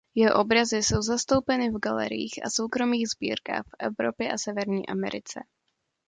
Jeho obrazy jsou zastoupeny v galeriích a soukromých sbírkách v Evropě a Severní Americe.